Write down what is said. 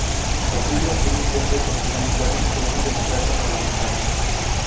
Las islas tienen cierta autonomía interna, con una democracia parlamentaria.